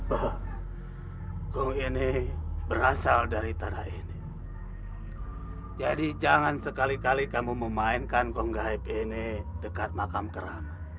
oh gong ini berasal dari tadak ini jadi jangan sekali kali kamu memainkan gong gaib ini dekat makam keram